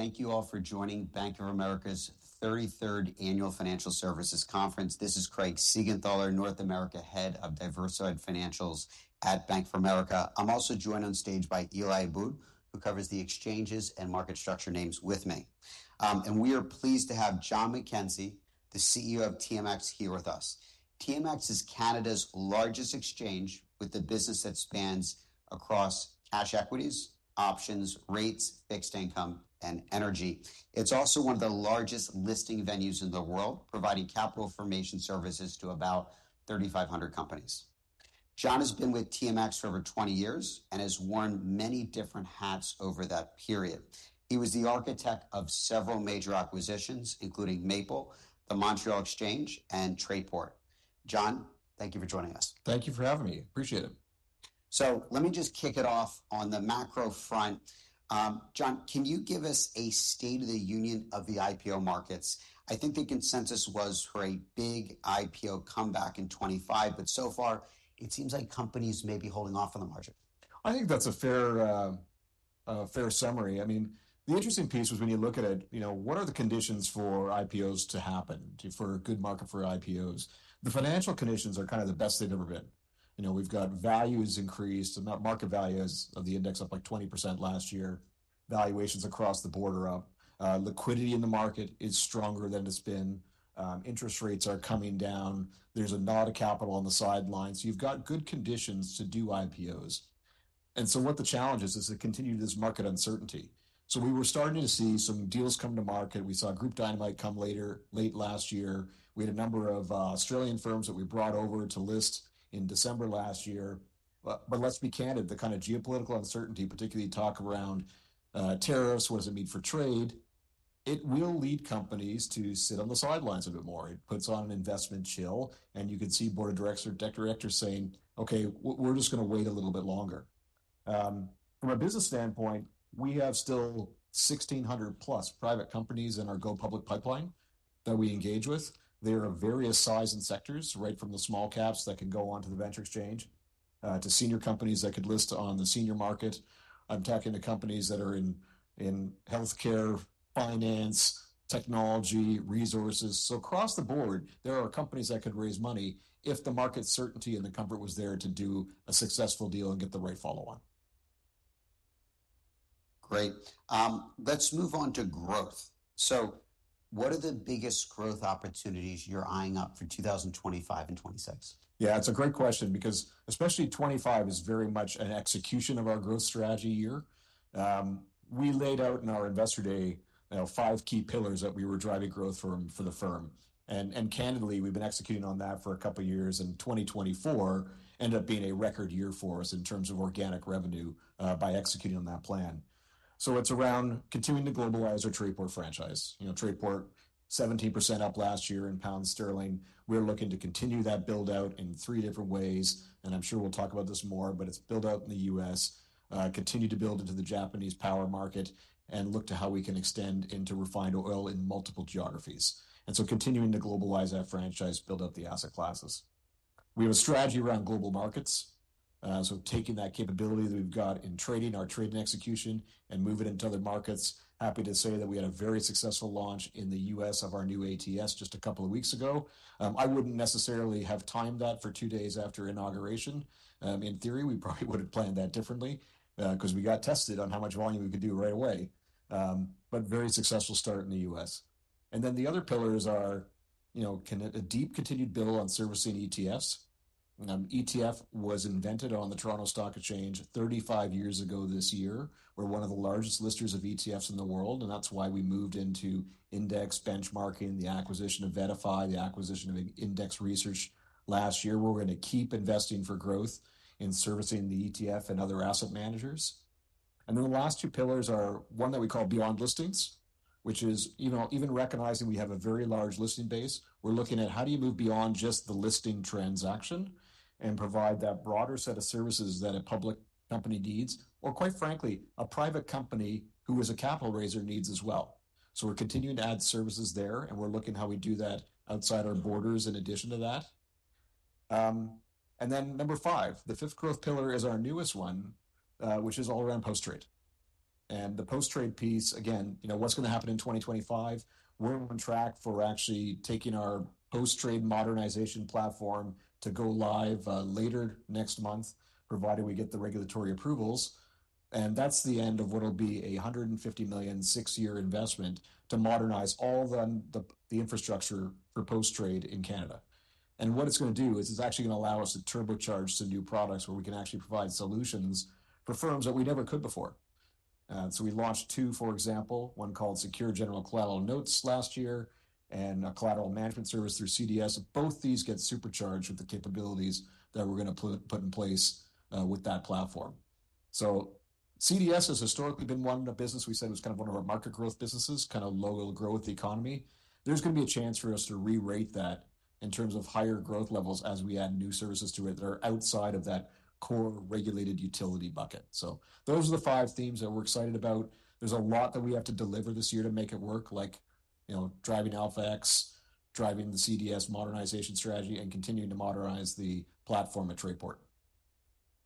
Thank you all for joining Bank of America's 33rd annual financial services conference. This is Craig Siegenthaler, North America Head of Diversified Financials at Bank of America. I'm also joined on stage by Eli Booth, who covers the exchanges and market structure names with me. And we are pleased to have John McKenzie, the CEO of TMX, here with us. TMX is Canada's largest exchange, with a business that spans across cash equities, options, rates, fixed income, and energy. It's also one of the largest listing venues in the world, providing capital formation services to about 3,500 companies. John has been with TMX for over 20 years and has worn many different hats over that period. He was the architect of several major acquisitions, including Maple, the Montreal Exchange, and Trayport. John, thank you for joining us. Thank you for having me. Appreciate it. So let me just kick it off on the macro front. John, can you give us a state of the union of the IPO markets? I think the consensus was for a big IPO comeback in 2025, but so far, it seems like companies may be holding off on the market. I think that's a fair summary. I mean, the interesting piece was when you look at it, you know, what are the conditions for IPOs to happen, for a good market for IPOs? The financial conditions are kind of the best they've ever been. You know, we've got valuations increased, and that market value has the index up like 20% last year. Valuations across the board are up. Liquidity in the market is stronger than it's been. Interest rates are coming down. There's a ton of capital on the sidelines. You've got good conditions to do IPOs, and so what the challenge is, is the continued market uncertainty. So we were starting to see some deals come to market. We saw Groupe Dynamite come late last year. We had a number of Australian firms that we brought over to list in December last year. But let's be candid, the kind of geopolitical uncertainty, particularly talk around tariffs, what does it mean for trade? It will lead companies to sit on the sidelines a bit more. It puts on an investment chill. And you could see board of directors, tech directors saying, "Okay, we're just going to wait a little bit longer." From a business standpoint, we have still 1,600+ private companies in our go-public pipeline that we engage with. They are of various sizes and sectors, right from the small caps that can go on to the Venture Exchange to senior companies that could list on the senior market. I'm talking to companies that are in healthcare, finance, technology, resources. So, across the board, there are companies that could raise money if the market certainty and the comfort was there to do a successful deal and get the right follow-on. Great. Let's move on to growth. So what are the biggest growth opportunities you're eyeing up for 2025 and 2026? Yeah, it's a great question because especially 2025 is very much an execution of our growth strategy year. We laid out in our investor day, you know, five key pillars that we were driving growth for the firm. And candidly, we've been executing on that for a couple of years. And 2024 ended up being a record year for us in terms of organic revenue by executing on that plan. So it's around continuing to globalize our Trayport franchise. You know, Trayport, 17% up last year in pound sterling. We're looking to continue that build-out in three different ways. And I'm sure we'll talk about this more, but it's build-out in the U.S., continue to build into the Japanese power market, and look to how we can extend into refined oil in multiple geographies. And so continuing to globalize that franchise, build up the asset classes. We have a strategy around global markets, so taking that capability that we've got in trading, our trade and execution, and move it into other markets. Happy to say that we had a very successful launch in the U.S. of our new ATS just a couple of weeks ago. I wouldn't necessarily have timed that for two days after inauguration. In theory, we probably would have planned that differently because we got tested on how much volume we could do right away, but very successful start in the U.S., and then the other pillars are, you know, a deep continued build on servicing ATS. ETF was invented on the Toronto Stock Exchange 35 years ago this year. We're one of the largest listers of ETFs in the world. And that's why we moved into index benchmarking, the acquisition of VettaFi, the acquisition of Index Research last year. We're going to keep investing for growth in servicing the ETF and other asset managers, and then the last two pillars are one that we call beyond listings, which is, you know, even recognizing we have a very large listing base, we're looking at how do you move beyond just the listing transaction and provide that broader set of services that a public company needs, or quite frankly, a private company who is a capital raiser needs as well, so we're continuing to add services there, and we're looking at how we do that outside our borders in addition to that, and then number five, the fifth growth pillar is our newest one, which is all around post-trade, and the post-trade piece, again, you know, what's going to happen in 2025? We're on track for actually taking our post-trade modernization platform to go live later next month, provided we get the regulatory approvals. And that's the end of what'll be a 150 million six-year investment to modernize all the infrastructure for post-trade in Canada. And what it's going to do is it's actually going to allow us to turbocharge some new products where we can actually provide solutions for firms that we never could before. So we launched two, for example, one called Secure General Collateral Notes last year and a collateral management service through CDS. Both these get supercharged with the capabilities that we're going to put in place with that platform. So CDS has historically been one of the business we said was kind of one of our market growth businesses, kind of low growth economy. There's going to be a chance for us to re-rate that in terms of higher growth levels as we add new services to it that are outside of that core regulated utility bucket. So those are the five themes that we're excited about. There's a lot that we have to deliver this year to make it work, like, you know, driving AlphaX, driving the CDS modernization strategy, and continuing to modernize the platform at Trayport.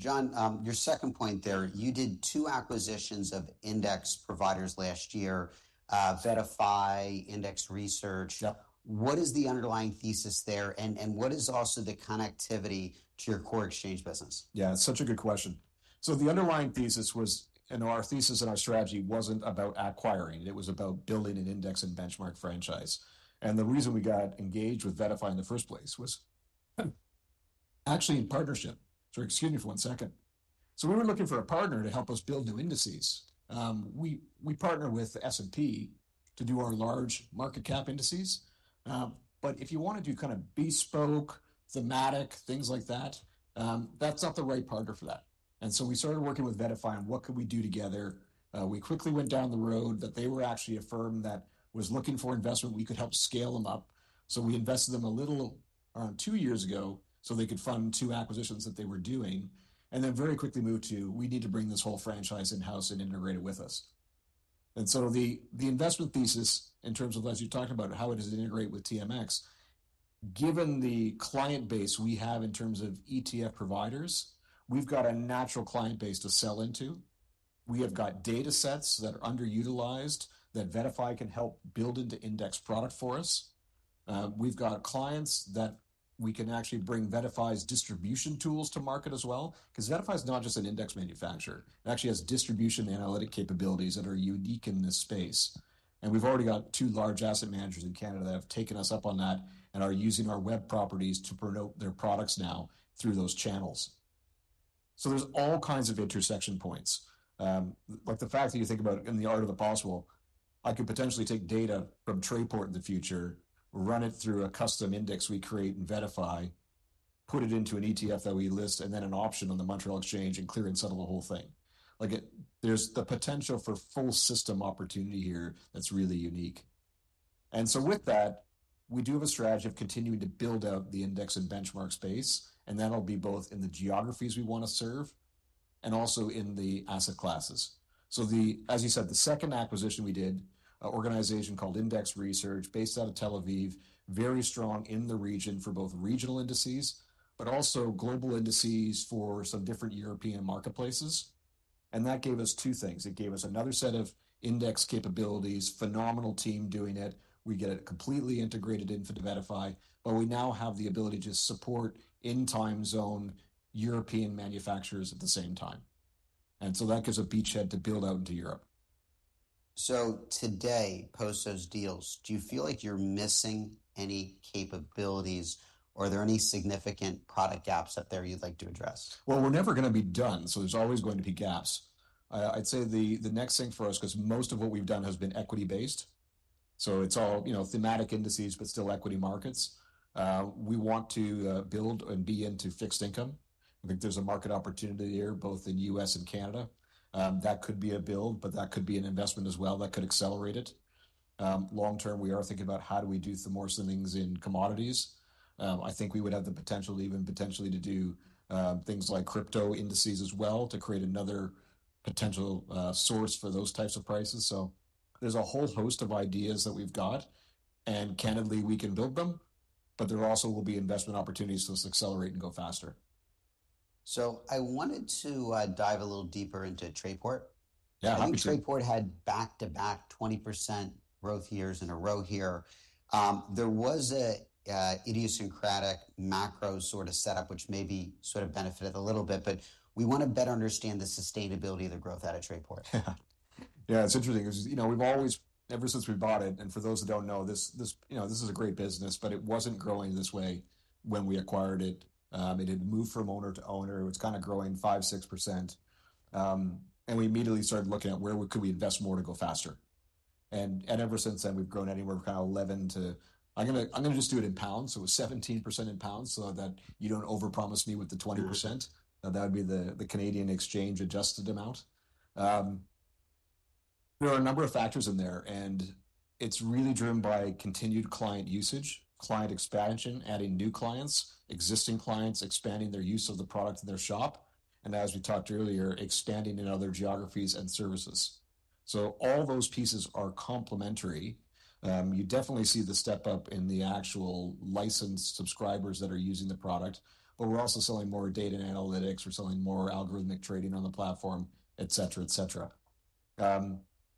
John, your second point there, you did two acquisitions of index providers last year, VettaFi, Index Research. What is the underlying thesis there? And what is also the connectivity to your core exchange business? Yeah, it's such a good question. So the underlying thesis was, you know, our thesis and our strategy wasn't about acquiring. It was about building an index and benchmark franchise. And the reason we got engaged with VettaFi in the first place was actually in partnership. So excuse me for one second. So we were looking for a partner to help us build new indices. We partner with S&P to do our large market cap indices. But if you want to do kind of bespoke, thematic, things like that, that's not the right partner for that. And so we started working with VettaFi on what could we do together. We quickly went down the road that they were actually a firm that was looking for investment. We could help scale them up. So we invested in them a little around two years ago so they could fund two acquisitions that they were doing. And then very quickly moved to, we need to bring this whole franchise in-house and integrate it with us. And so the investment thesis in terms of, as you talked about, how it does it integrate with TMX, given the client base we have in terms of ETF providers, we've got a natural client base to sell into. We have got data sets that are underutilized that VettaFi can help build into index product for us. We've got clients that we can actually bring VettaFi's distribution tools to market as well. Because VettaFi is not just an index manufacturer. It actually has distribution analytic capabilities that are unique in this space. And we've already got two large asset managers in Canada that have taken us up on that and are using our web properties to promote their products now through those channels. So there's all kinds of intersection points. Like the fact that you think about in the art of the possible, I could potentially take data from Trayport in the future, run it through a custom index we create in VettaFi, put it into an ETF that we list, and then an option on the Montreal Exchange and clear and settle the whole thing. Like there's the potential for full system opportunity here that's really unique. And so with that, we do have a strategy of continuing to build out the index and benchmark space. And that'll be both in the geographies we want to serve and also in the asset classes. So the, as you said, the second acquisition we did, an organization called Index Research based out of Tel Aviv, very strong in the region for both regional indices, but also global indices for some different European marketplaces. And that gave us two things. It gave us another set of index capabilities, phenomenal team doing it. We get it completely integrated into VettaFi, but we now have the ability to support in time zone European manufacturers at the same time. And so that gives a beachhead to build out into Europe. So today, post those deals, do you feel like you're missing any capabilities, or are there any significant product gaps up there you'd like to address? Well, we're never going to be done. So there's always going to be gaps. I'd say the next thing for us, because most of what we've done has been equity-based. So it's all, you know, thematic indices, but still equity markets. We want to build and be into fixed income. I think there's a market opportunity here, both in the U.S. and Canada. That could be a build, but that could be an investment as well that could accelerate it. Long term, we are thinking about how do we do some more swings in commodities. I think we would have the potential to even potentially do things like crypto indices as well to create another potential source for those types of prices. So there's a whole host of ideas that we've got. And candidly, we can build them, but there also will be investment opportunities to accelerate and go faster. I wanted to dive a little deeper into Trayport. Yeah. I think Trayport had back-to-back 20% growth years in a row here. There was an idiosyncratic macro sort of setup, which maybe sort of benefited a little bit, but we want to better understand the sustainability of the growth out of Trayport. Yeah, it's interesting because, you know, we've always, ever since we bought it, and for those that don't know, this, you know, this is a great business, but it wasn't growing this way when we acquired it. It had moved from owner to owner. It was kind of growing 5% to 6%. And we immediately started looking at where could we invest more to go faster. And ever since then, we've grown anywhere from kind of 11 to, I'm going to just do it in pounds. So, it was 17% in pounds so that you don't overpromise me with the 20%. That would be the Canadian exchange adjusted amount. There are a number of factors in there, and it's really driven by continued client usage, client expansion, adding new clients, existing clients, expanding their use of the product in their shop, and as we talked earlier, expanding in other geographies and services. So all those pieces are complementary. You definitely see the step up in the actual licensed subscribers that are using the product, but we're also selling more data and analytics. We're selling more algorithmic trading on the platform, et cetera, et cetera.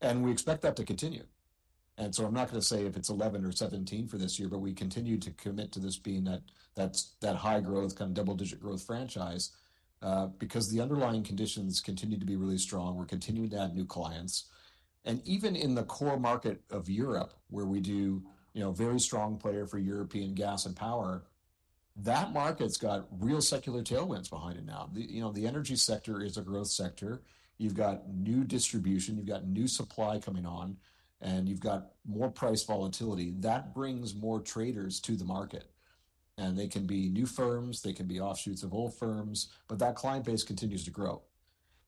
And we expect that to continue. And so I'm not going to say if it's 11 or 17 for this year, but we continue to commit to this being that high growth, kind of double-digit growth franchise because the underlying conditions continue to be really strong. We're continuing to add new clients. Even in the core market of Europe, where we do, you know, very strong player for European gas and power, that market's got real secular tailwinds behind it now. You know, the energy sector is a growth sector. You've got new distribution. You've got new supply coming on. And you've got more price volatility that brings more traders to the market. And they can be new firms. They can be offshoots of old firms. But that client base continues to grow.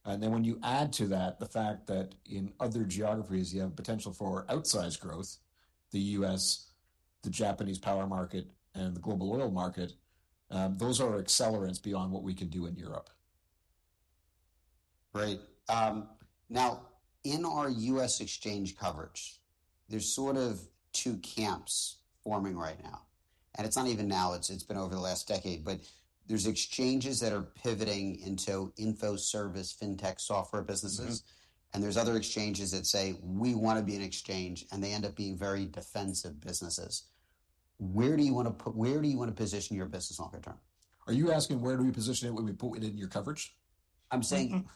And then when you add to that the fact that in other geographies, you have potential for outsized growth, the U.S., the Japanese power market, and the global oil market, those are accelerants beyond what we can do in Europe. Great. Now, in our U.S. exchange coverage, there's sort of two camps forming right now. And it's not even now. It's been over the last decade. But there's exchanges that are pivoting into info service fintech software businesses. And there's other exchanges that say, we want to be an exchange, and they end up being very defensive businesses. Where do you want to position your business longer term? Are you asking where do we position it when we put it in your coverage? I'm saying.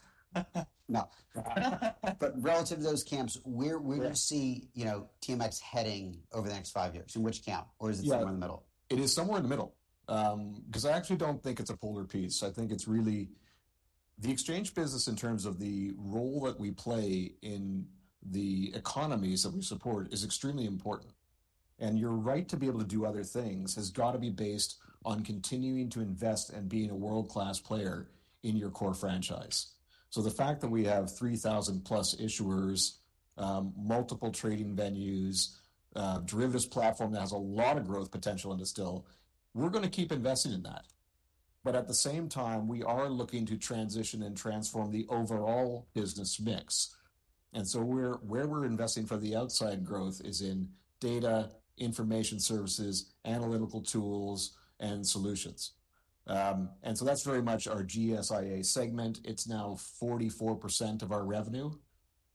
No. But relative to those camps, where do you see, you know, TMX heading over the next five years? In which camp? Or is it somewhere in the middle? It is somewhere in the middle. Because I actually don't think it's a folder piece. I think it's really the exchange business in terms of the role that we play in the economies that we support is extremely important, and you're right to be able to do other things has got to be based on continuing to invest and being a world-class player in your core franchise, so the fact that we have 3,000+ issuers, multiple trading venues, derivatives platform that has a lot of growth potential in it still, we're going to keep investing in that, but at the same time, we are looking to transition and transform the overall business mix, and so where we're investing for the outside growth is in data, information services, analytical tools, and solutions, and so that's very much our GSIA segment. It's now 44% of our revenue.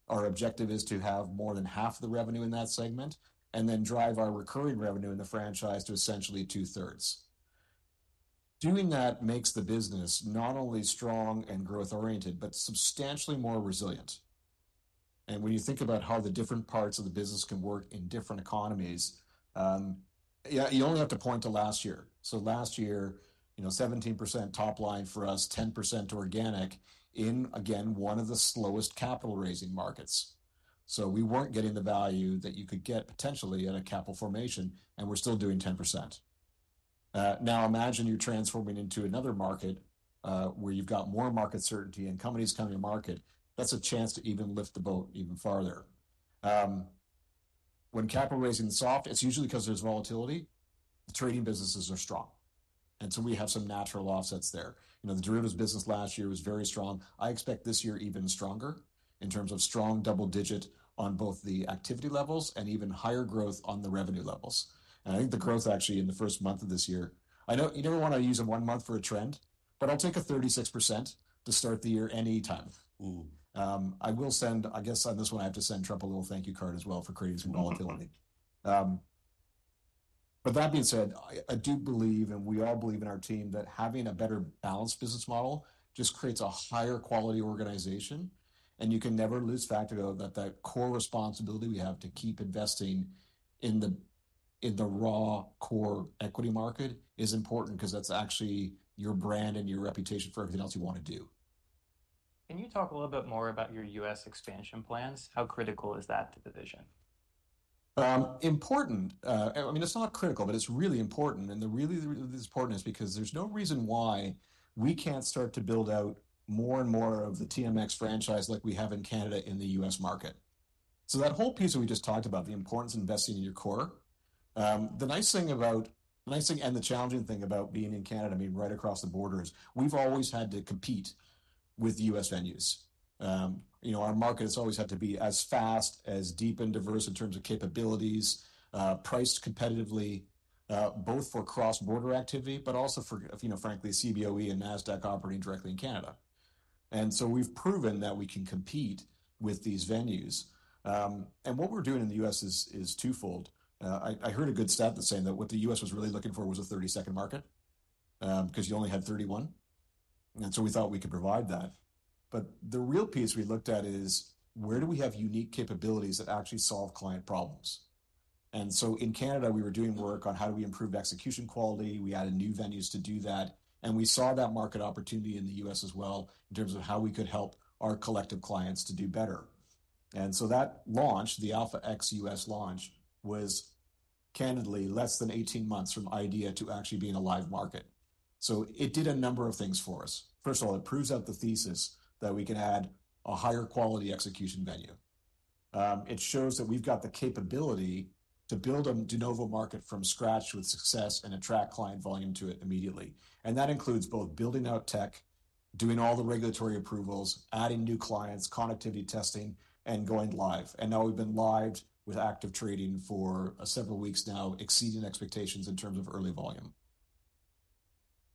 Our objective is to have more than half the revenue in that segment and then drive our recurring revenue in the franchise to essentially two-thirds. Doing that makes the business not only strong and growth-oriented, but substantially more resilient, and when you think about how the different parts of the business can work in different economies, you only have to point to last year, so last year, you know, 17% top line for us, 10% organic in, again, one of the slowest capital raising markets, so we weren't getting the value that you could get potentially at a capital formation, and we're still doing 10%. Now imagine you're transforming into another market where you've got more market certainty and companies coming to market. That's a chance to even lift the boat even farther. When capital raising is soft, it's usually because there's volatility. The trading businesses are strong. And so we have some natural offsets there. You know, the derivatives business last year was very strong. I expect this year even stronger in terms of strong double-digit on both the activity levels and even higher growth on the revenue levels. And I think the growth actually in the first month of this year. I know you never want to use a one-month for a trend, but I'll take a 36% to start the year anytime. I will send, I guess on this one, I have to send Trump a little thank you card as well for creating some volatility. But that being said, I do believe, and we all believe in our team that having a better balanced business model just creates a higher quality organization. You can never lose sight of the fact that the core responsibility we have to keep investing in our core equity market is important because that's actually your brand and your reputation for everything else you want to do. Can you talk a little bit more about your U.S. expansion plans? How critical is that to the vision? Important. I mean, it's not critical, but it's really important, and the really important is because there's no reason why we can't start to build out more and more of the TMX franchise like we have in Canada in the U.S. market. So that whole piece that we just talked about, the importance of investing in your core, the nice thing about, the nice thing and the challenging thing about being in Canada, I mean, right across the border is we've always had to compete with U.S. venues. You know, our market has always had to be as fast, as deep and diverse in terms of capabilities, priced competitively, both for cross-border activity, but also for, you know, frankly, Cboe and Nasdaq operating directly in Canada, and so we've proven that we can compete with these venues, and what we're doing in the U.S. is twofold. I heard a good stat that saying that what the U.S. was really looking for was a 30-second market because you only had 31, and so we thought we could provide that, but the real piece we looked at is where do we have unique capabilities that actually solve client problems? And so in Canada, we were doing work on how do we improve execution quality. We added new venues to do that, and we saw that market opportunity in the U.S. as well in terms of how we could help our collective clients to do better, and so that launch, the AlphaX U.S. launch, was candidly less than 18 months from idea to actually being a live market, so it did a number of things for us. First of all, it proves out the thesis that we can add a higher quality execution venue. It shows that we've got the capability to build a de novo market from scratch with success and attract client volume to it immediately. And that includes both building out tech, doing all the regulatory approvals, adding new clients, connectivity testing, and going live. And now we've been live with active trading for several weeks now, exceeding expectations in terms of early volume.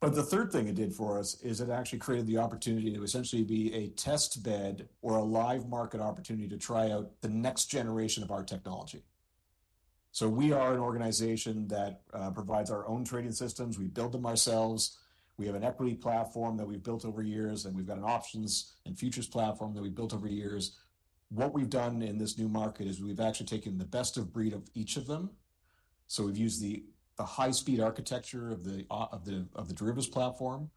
But the third thing it did for us is it actually created the opportunity to essentially be a test bed or a live market opportunity to try out the next generation of our technology. So we are an organization that provides our own trading systems. We build them ourselves. We have an equity platform that we've built over years, and we've got an options and futures platform that we've built over years. What we've done in this new market is we've actually taken the best of breed of each of them. So we've used the high-speed architecture of the derivatives platform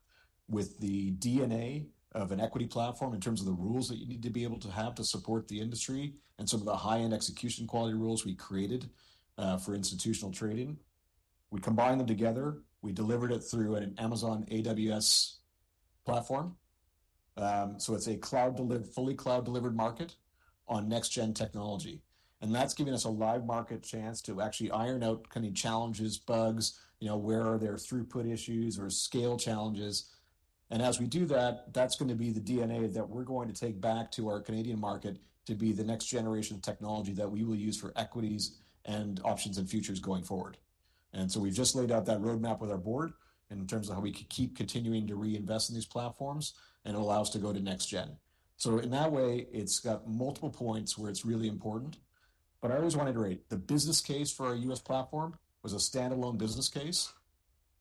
with the DNA of an equity platform in terms of the rules that you need to be able to have to support the industry and some of the high-end execution quality rules we created for institutional trading. We combined them together. We delivered it through an Amazon AWS platform. So it's a cloud delivered, fully cloud delivered market on next-gen technology, and that's giving us a live market chance to actually iron out any challenges, bugs, you know, where are there throughput issues or scale challenges. As we do that, that's going to be the DNA that we're going to take back to our Canadian market to be the next generation of technology that we will use for equities and options and futures going forward. We've just laid out that roadmap with our board in terms of how we can keep continuing to reinvest in these platforms and allow us to go to next-gen. In that way, it's got multiple points where it's really important. I always want to reiterate. The business case for our U.S. platform was a standalone business case.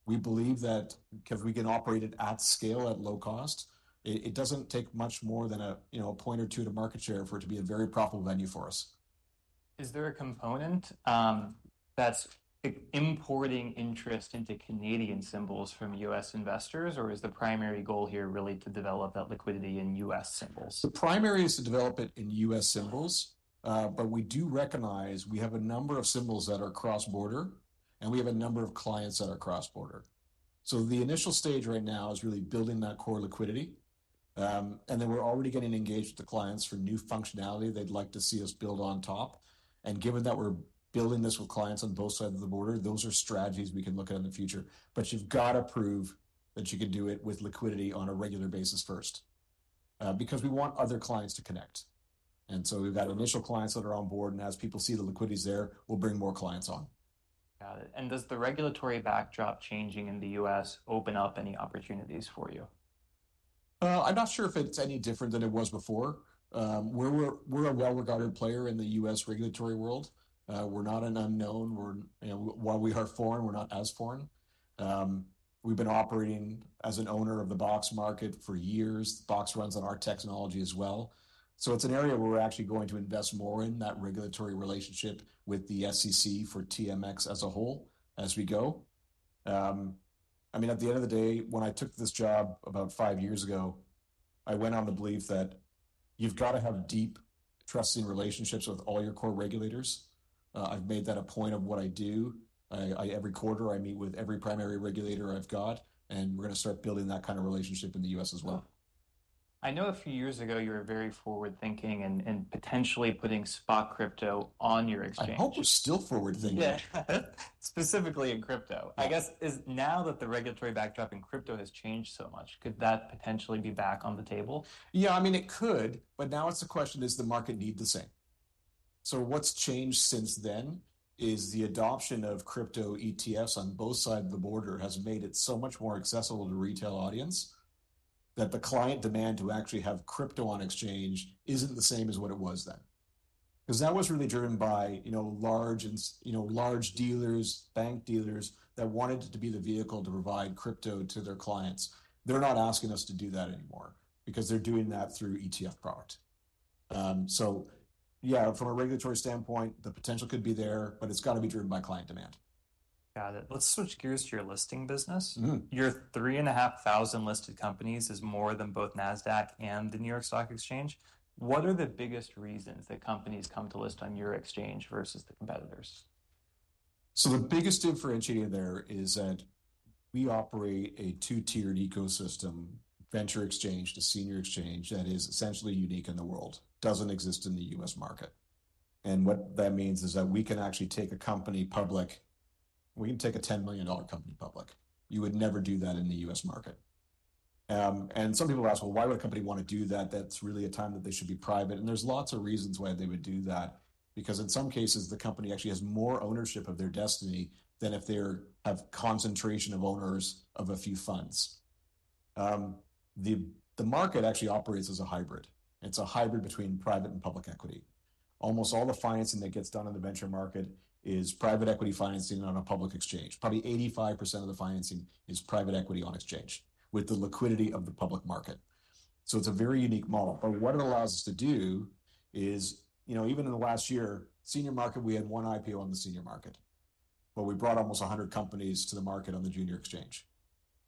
We believe that because we can operate it at scale at low cost, it doesn't take much more than a, you know, a point or two to market share for it to be a very profitable venue for us. Is there a component that's importing interest into Canadian symbols from US investors, or is the primary goal here really to develop that liquidity in US symbols? The primary is to develop it in U.S. symbols, but we do recognize we have a number of symbols that are cross-border, and we have a number of clients that are cross-border. So the initial stage right now is really building that core liquidity. And then we're already getting engaged with the clients for new functionality they'd like to see us build on top. And given that we're building this with clients on both sides of the border, those are strategies we can look at in the future. But you've got to prove that you can do it with liquidity on a regular basis first because we want other clients to connect. And so we've got initial clients that are on board. And as people see the liquidity is there, we'll bring more clients on. Got it. And does the regulatory backdrop changing in the U.S. open up any opportunities for you? I'm not sure if it's any different than it was before. We're a well-regarded player in the U.S. regulatory world. We're not an unknown. While we are foreign, we're not as foreign. We've been operating as an owner of the BOX market for years. The BOX runs on our technology as well. So it's an area where we're actually going to invest more in that regulatory relationship with the SEC for TMX as a whole as we go. I mean, at the end of the day, when I took this job about five years ago, I went on to believe that you've got to have deep, trusting relationships with all your core regulators. I've made that a point of what I do. Every quarter, I meet with every primary regulator I've got. And we're going to start building that kind of relationship in the U.S. as well. I know a few years ago you were very forward-thinking and potentially putting spot crypto on your exchange. I hope we're still forward-thinking. Specifically in crypto. I guess now that the regulatory backdrop in crypto has changed so much, could that potentially be back on the table? Yeah, I mean, it could. But now it's the question: does the market need the same? So what's changed since then is the adoption of crypto ETFs on both sides of the border has made it so much more accessible to the retail audience that the client demand to actually have crypto on exchange isn't the same as what it was then. Because that was really driven by, you know, large and, you know, large dealers, bank dealers that wanted to be the vehicle to provide crypto to their clients. They're not asking us to do that anymore because they're doing that through ETF product. So yeah, from a regulatory standpoint, the potential could be there, but it's got to be driven by client demand. Got it. Let's switch gears to your listing business. Your 3,500 listed companies is more than both Nasdaq and the New York Stock Exchange. What are the biggest reasons that companies come to list on your exchange versus the competitors? The biggest differentiator there is that we operate a two-tiered ecosystem, Venture Exchange to senior exchange that is essentially unique in the world. It doesn't exist in the U.S. market. And what that means is that we can actually take a company public. We can take a $10 million company public. You would never do that in the U.S. market. And some people ask, well, why would a company want to do that? That's really a time that they should be private. And there's lots of reasons why they would do that because in some cases, the company actually has more ownership of their destiny than if they have concentration of owners of a few funds. The market actually operates as a hybrid. It's a hybrid between private and public equity. Almost all the financing that gets done in the venture market is private equity financing on a public exchange. Probably 85% of the financing is private equity on exchange with the liquidity of the public market, so it's a very unique model, but what it allows us to do is, you know, even in the last year, senior market, we had one IPO on the senior market, but we brought almost 100 companies to the market on the junior exchange,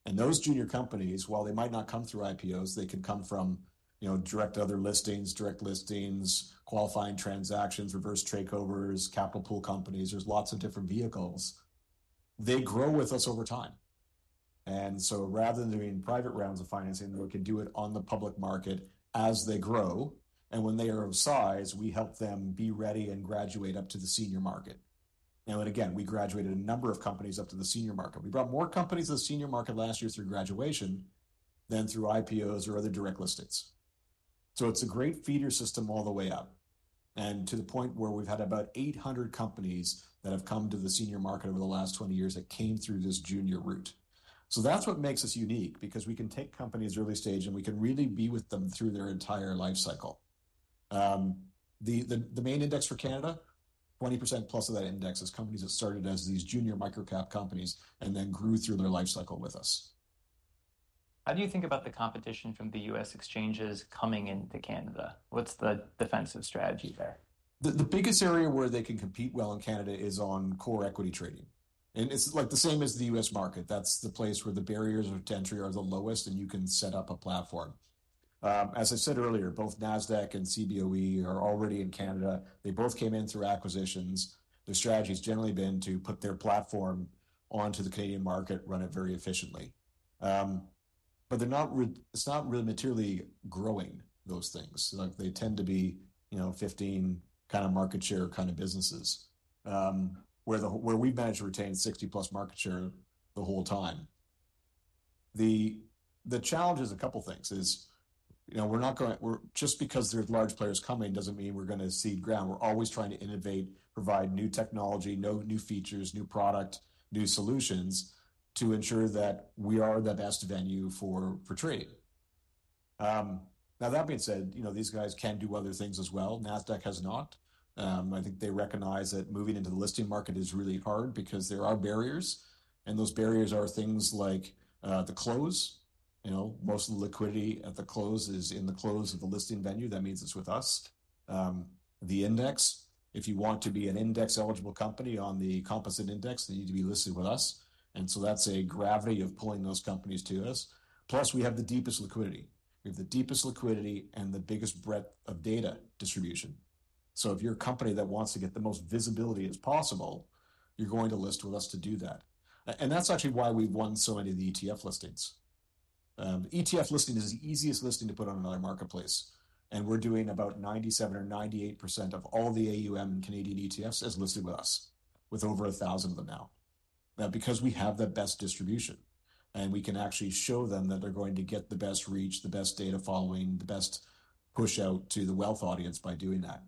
and those junior companies, while they might not come through IPOs, they can come from, you know, direct other listings, direct listings, qualifying transactions, reverse takeovers, capital pool companies. There's lots of different vehicles. They grow with us over time, and so rather than doing private rounds of financing, we can do it on the public market as they grow, and when they are of size, we help them be ready and graduate up to the senior market. Now, and again, we graduated a number of companies up to the senior market. We brought more companies to the senior market last year through graduation than through IPOs or other direct listings. So it's a great feeder system all the way up. And to the point where we've had about 800 companies that have come to the senior market over the last 20 years that came through this junior route. So that's what makes us unique because we can take companies early stage and we can really be with them through their entire life cycle. The main index for Canada, 20%+ of that index is companies that started as these junior microcap companies and then grew through their life cycle with us. How do you think about the competition from the U.S. exchanges coming into Canada? What's the defensive strategy there? The biggest area where they can compete well in Canada is on core equity trading, and it's like the same as the US market. That's the place where the barriers to entry are the lowest and you can set up a platform. As I said earlier, both Nasdaq and Cboe are already in Canada. They both came in through acquisitions. Their strategy has generally been to put their platform onto the Canadian market, run it very efficiently. But they're not. It's not really materially growing those things. Like they tend to be, you know, 15 kind of market share kind of businesses where we've managed to retain 60+ market share the whole time. The challenge is a couple of things is, you know, we're not going, we're just because there's large players coming doesn't mean we're going to cede ground. We're always trying to innovate, provide new technology, new features, new product, new solutions to ensure that we are the best venue for trading. Now, that being said, you know, these guys can do other things as well. Nasdaq has not. I think they recognize that moving into the listing market is really hard because there are barriers, and those barriers are things like the close. You know, most of the liquidity at the close is in the close of the listing venue. That means it's with us. The index, if you want to be an index eligible company on the composite index, they need to be listed with us, and so that's a gravity of pulling those companies to us. Plus, we have the deepest liquidity. We have the deepest liquidity and the biggest breadth of data distribution. If you're a company that wants to get the most visibility as possible, you're going to list with us to do that. That's actually why we've won so many of the ETF listings. ETF listing is the easiest listing to put on another marketplace. We're doing about 97% or 98% of all the AUM Canadian ETFs as listed with us, with over 1,000 of them now. Because we have the best distribution and we can actually show them that they're going to get the best reach, the best data following, the best push out to the wealth audience by doing that.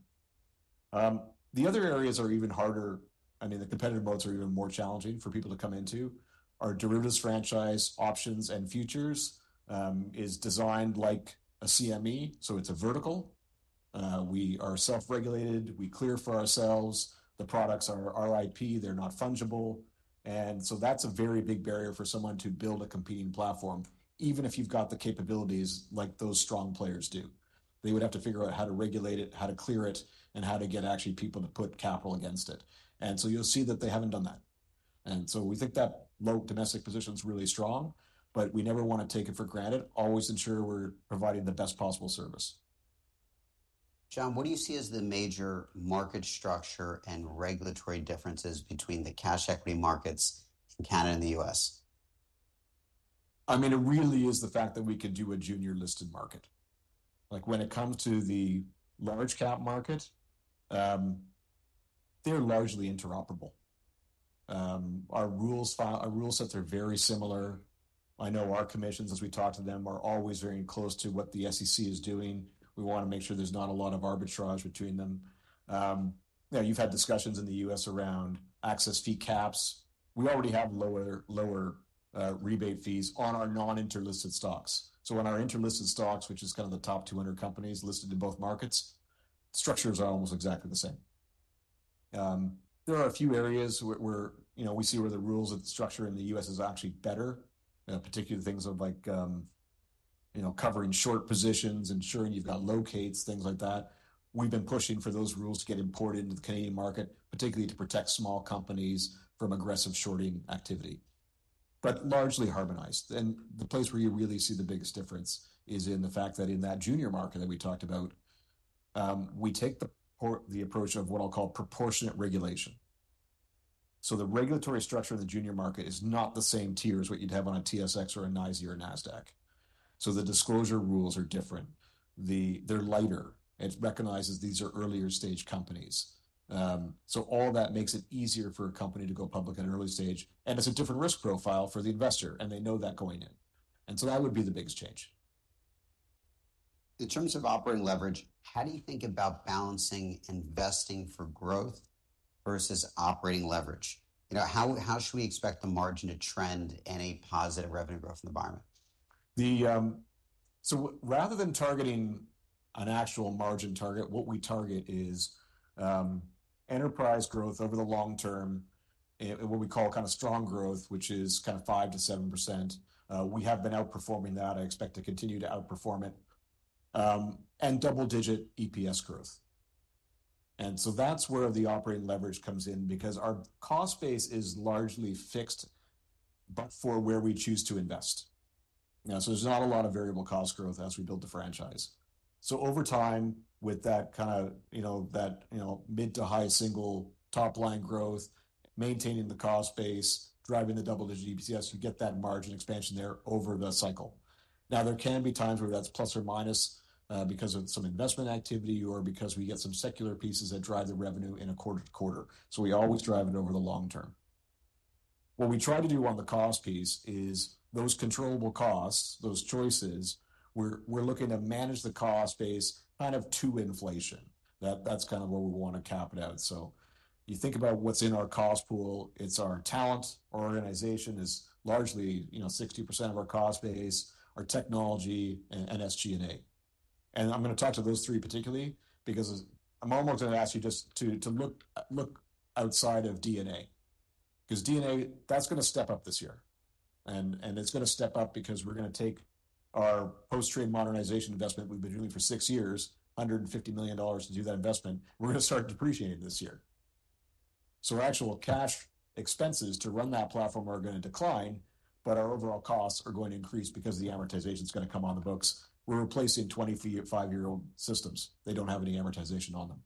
The other areas are even harder. I mean, the competitive moats are even more challenging for people to come into our derivatives franchise. Options and futures is designed like a CME. It's a vertical. We are self-regulated. We clear for ourselves. The products are our IP. They're not fungible. And so that's a very big barrier for someone to build a competing platform, even if you've got the capabilities like those strong players do. They would have to figure out how to regulate it, how to clear it, and how to get actually people to put capital against it. And so you'll see that they haven't done that. And so we think that our domestic position is really strong, but we never want to take it for granted. Always ensure we're providing the best possible service. John, what do you see as the major market structure and regulatory differences between the cash equity markets in Canada and the U.S.? I mean, it really is the fact that we could do a junior listed market. Like when it comes to the large cap market, they're largely interoperable. Our rules sets, they're very similar. I know our commissions, as we talk to them, are always very close to what the SEC is doing. We want to make sure there's not a lot of arbitrage between them. Now, you've had discussions in the U.S. around access fee caps. We already have lower rebate fees on our non-interlisted stocks. So on our interlisted stocks, which is kind of the top 200 companies listed in both markets, structures are almost exactly the same. There are a few areas where, you know, we see where the rules of the structure in the U.S. is actually better, particularly things like, you know, covering short positions, ensuring you've got locates, things like that. We've been pushing for those rules to get imported into the Canadian market, particularly to protect small companies from aggressive shorting activity, but largely harmonized. And the place where you really see the biggest difference is in the fact that in that junior market that we talked about, we take the approach of what I'll call proportionate regulation. So the regulatory structure of the junior market is not the same tier as what you'd have on a TSX or a NYSE or a Nasdaq. So the disclosure rules are different. They're lighter. It recognizes these are earlier stage companies. So all that makes it easier for a company to go-public at an early stage. And it's a different risk profile for the investor. And they know that going in. And so that would be the biggest change. In terms of operating leverage, how do you think about balancing investing for growth versus operating leverage? You know, how should we expect the margin to trend in a positive revenue growth environment? Rather than targeting an actual margin target, what we target is enterprise growth over the long term, what we call kind of strong growth, which is kind of 5%-7%. We have been outperforming that. I expect to continue to outperform it. And double-digit EPS growth. And so that's where the operating leverage comes in because our cost base is largely fixed but for where we choose to invest. Now, so there's not a lot of variable cost growth as we build the franchise. So over time with that kind of, you know, that, you know, mid- to high-single top line growth, maintaining the cost base, driving the double-digit EPS, you get that margin expansion there over the cycle. Now, there can be times where that's plus or minus because of some investment activity or because we get some secular pieces that drive the revenue in a quarter to quarter. So we always drive it over the long term. What we try to do on the cost piece is those controllable costs, those choices, we're looking to manage the cost base kind of to inflation. That's kind of what we want to cap it out. So you think about what's in our cost pool. It's our talent. Our organization is largely, you know, 60% of our cost base, our technology, and SG&A. And I'm going to talk to those three particularly because I'm almost going to ask you just to look outside of DNA. Because DNA, that's going to step up this year. It's going to step up because we're going to take our post-trade modernization investment we've been doing for six years, 150 million dollars to do that investment. We're going to start depreciating this year. So our actual cash expenses to run that platform are going to decline, but our overall costs are going to increase because the amortization is going to come on the books. We're replacing 20 five-year-old systems. They don't have any amortization on them.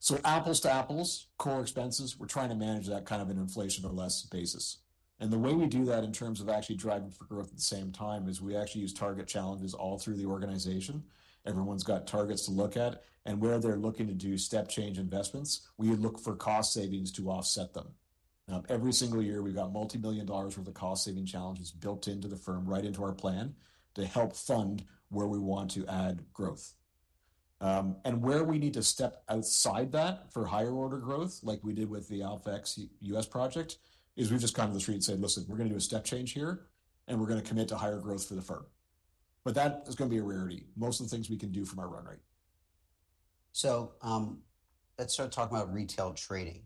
So apples to apples, core expenses, we're trying to manage that kind of an inflation or less basis. And the way we do that in terms of actually driving for growth at the same time is we actually use target challenges all through the organization. Everyone's got targets to look at. And where they're looking to do step change investments, we look for cost savings to offset them. Every single year, we've got multi-million dollars worth of cost saving challenges built into the firm, right into our plan to help fund where we want to add growth, and where we need to step outside that for higher order growth, like we did with the AlphaX US project, is we just come to the street and say, listen, we're going to do a step change here and we're going to commit to higher growth for the firm, but that is going to be a rarity. Most of the things we can do from our run rate. Let's start talking about retail trading.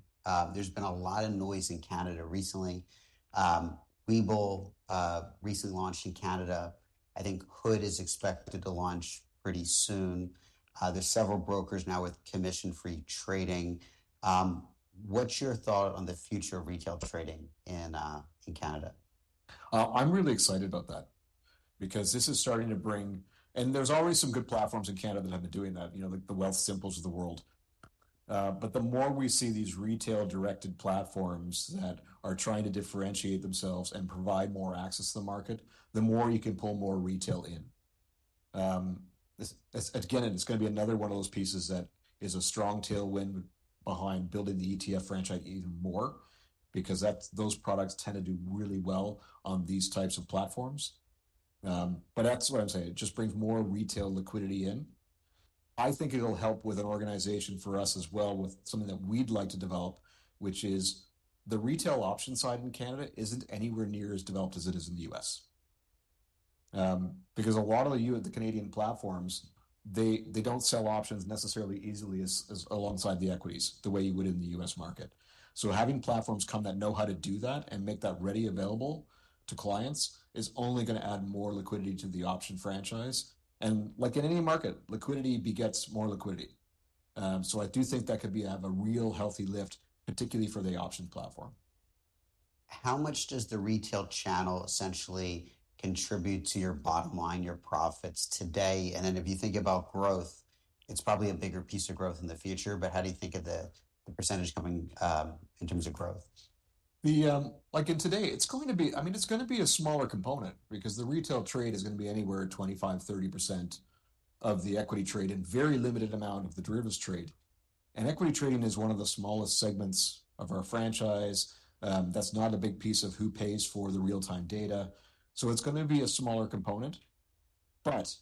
There's been a lot of noise in Canada recently. Webull recently launched in Canada. I think Hood is expected to launch pretty soon. There's several brokers now with commission-free trading. What's your thought on the future of retail trading in Canada? I'm really excited about that because this is starting to bring, and there's already some good platforms in Canada that have been doing that, you know, like the Wealthsimple of the world. But the more we see these retail-directed platforms that are trying to differentiate themselves and provide more access to the market, the more you can pull more retail in. Again, it's going to be another one of those pieces that is a strong tailwind behind building the ETF franchise even more because those products tend to do really well on these types of platforms. But that's what I'm saying. It just brings more retail liquidity in. I think it'll help with an organization for us as well with something that we'd like to develop, which is the retail option side in Canada isn't anywhere near as developed as it is in the U.S. Because a lot of the Canadian platforms, they don't sell options necessarily easily alongside the equities the way you would in the U.S. market. So having platforms come that know how to do that and make that ready available to clients is only going to add more liquidity to the option franchise. And like in any market, liquidity begets more liquidity. So I do think that could be a real healthy lift, particularly for the option platform. How much does the retail channel essentially contribute to your bottom line, your profits today? And then if you think about growth, it's probably a bigger piece of growth in the future, but how do you think of the percentage coming in terms of growth? Like, in today, it's going to be, I mean, it's going to be a smaller component because the retail trade is going to be anywhere 25%-30% of the equity trade and very limited amount of the derivatives trade, and equity trading is one of the smallest segments of our franchise. That's not a big piece of who pays for the real-time data, so it's going to be a smaller component, but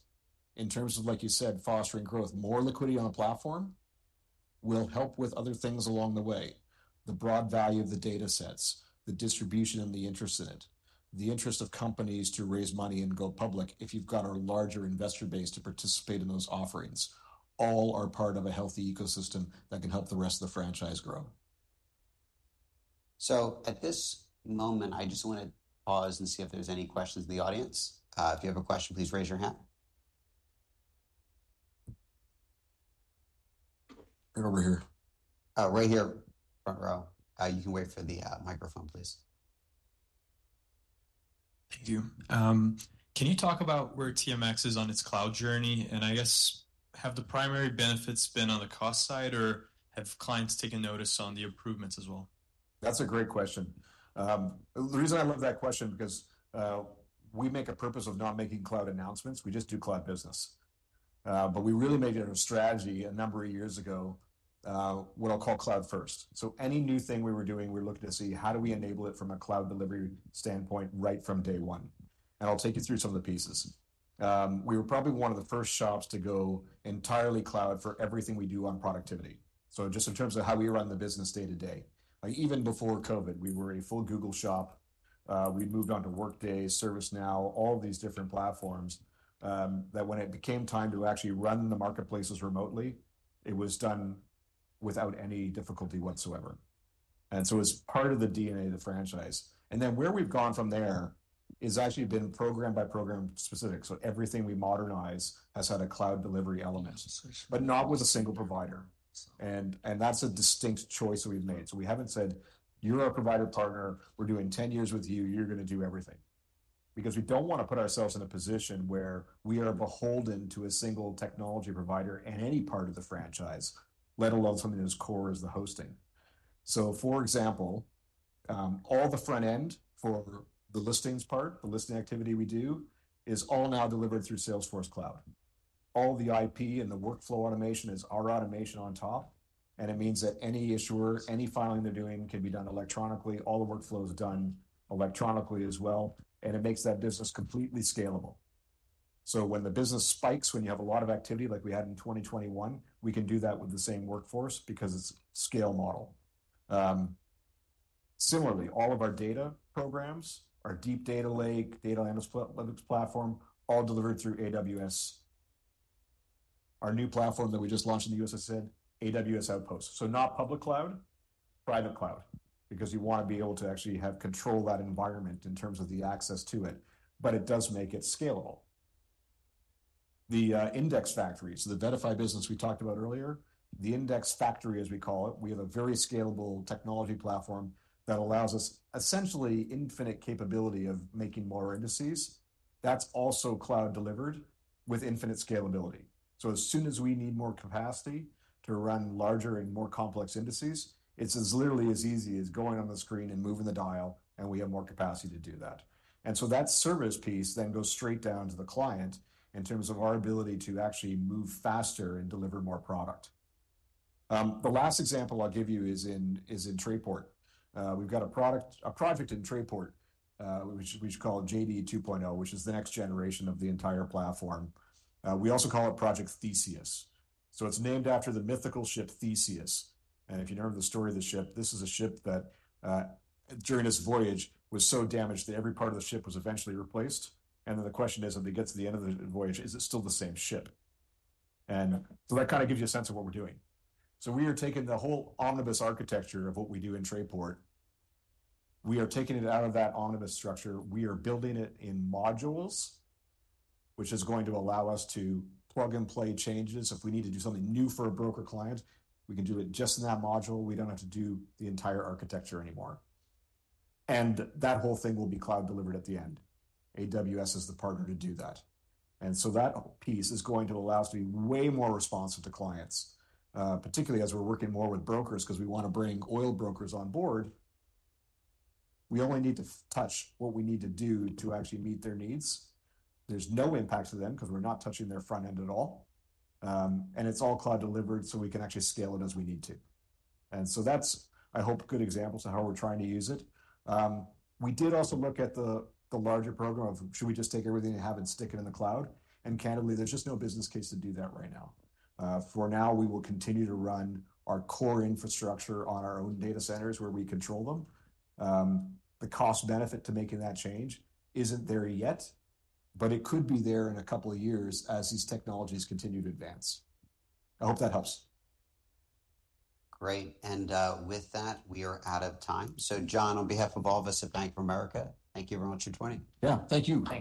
in terms of, like you said, fostering growth, more liquidity on the platform will help with other things along the way. The broad value of the data sets, the distribution and the interest in it, the interest of companies to raise money and go-public, if you've got a larger investor base to participate in those offerings, all are part of a healthy ecosystem that can help the rest of the franchise grow. So at this moment, I just want to pause and see if there's any questions in the audience. If you have a question, please raise your hand. Right over here. Right here, front row. You can wait for the microphone, please. Thank you. Can you talk about where TMX is on its cloud journey? And I guess, have the primary benefits been on the cost side or have clients taken notice on the improvements as well? That's a great question. The reason I love that question is because we make a purpose of not making cloud announcements. We just do cloud business. But we really made it a strategy a number of years ago, what I'll call cloud first. So any new thing we were doing, we're looking to see how do we enable it from a cloud delivery standpoint right from day one. And I'll take you through some of the pieces. We were probably one of the first shops to go entirely cloud for everything we do on productivity. So just in terms of how we run the business day to day. Even before COVID, we were a full Google shop. We moved on to Workday, ServiceNow, all of these different platforms that when it became time to actually run the marketplaces remotely, it was done without any difficulty whatsoever. And so it's part of the DNA of the franchise. And then where we've gone from there is actually been program by program specific. So everything we modernize has had a cloud delivery element, but not with a single provider. And that's a distinct choice we've made. So we haven't said, you're our provider partner. We're doing 10 years with you. You're going to do everything. Because we don't want to put ourselves in a position where we are beholden to a single technology provider and any part of the franchise, let alone something as core as the hosting. So for example, all the front end for the listings part, the listing activity we do is all now delivered through Salesforce Cloud. All the IP and the workflow automation is our automation on top. And it means that any issuer, any filing they're doing can be done electronically. All the workflow is done electronically as well. And it makes that business completely scalable. So when the business spikes, when you have a lot of activity like we had in 2021, we can do that with the same workforce because it's a scale model. Similarly, all of our data programs, our Deep Data Lake, Data Analytics platform, all delivered through AWS. Our new platform that we just launched in the U.S., I said, AWS Outpost. So not public cloud, private cloud, because you want to be able to actually have control of that environment in terms of the access to it. But it does make it scalable. The Index Factory, so the VettaFi business we talked about earlier, the Index Factory, as we call it, we have a very scalable technology platform that allows us essentially infinite capability of making more indices. That's also cloud delivered with infinite scalability. As soon as we need more capacity to run larger and more complex indices, it's as literally as easy as going on the screen and moving the dial and we have more capacity to do that. And so that service piece then goes straight down to the client in terms of our ability to actually move faster and deliver more product. The last example I'll give you is in Trayport. We've got a project in Trayport, which we call JD Trayport, which is the next generation of the entire platform. We also call it Project Theseus. It's named after the mythical ship Theseus. And if you know the story of the ship, this is a ship that during its voyage was so damaged that every part of the ship was eventually replaced. And then the question is, if it gets to the end of the voyage, is it still the same ship? And so that kind of gives you a sense of what we're doing. So we are taking the whole omnibus architecture of what we do in Trayport. We are taking it out of that omnibus structure. We are building it in modules, which is going to allow us to plug and play changes. If we need to do something new for a broker client, we can do it just in that module. We don't have to do the entire architecture anymore. And that whole thing will be cloud delivered at the end. AWS is the partner to do that. And so that piece is going to allow us to be way more responsive to clients, particularly as we're working more with brokers because we want to bring oil brokers on board. We only need to touch what we need to do to actually meet their needs. There's no impact to them because we're not touching their front end at all. And it's all cloud delivered so we can actually scale it as we need to. And so that's, I hope, good examples of how we're trying to use it. We did also look at the larger program of should we just take everything we have and stick it in the cloud? And candidly, there's just no business case to do that right now. For now, we will continue to run our core infrastructure on our own data centers where we control them. The cost benefit to making that change isn't there yet, but it could be there in a couple of years as these technologies continue to advance. I hope that helps. Great. And with that, we are out of time. So John, on behalf of all of us at Bank of America, thank you very much for joining. Yeah, thank you.